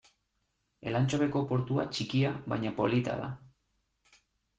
Elantxobeko portua txikia baina polita da.